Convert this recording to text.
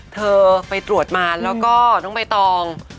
เธอไปตรวจมาแล้วก็น้องใบตอง